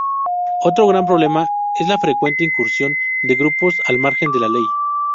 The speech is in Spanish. Otro gran problema es la frecuente incursión de grupos al margen de la ley.